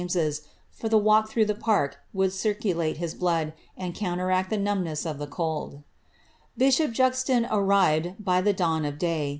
he had slept at St. James's, for the walk through the park would cireii late his blood, and counteract the numbness of the cold. Bishop Juzon arrived by the dawn of day.